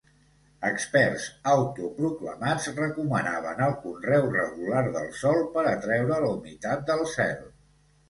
Experts autoproclamats recomanaven el conreu regular del sòl per atreure la humitat del cel.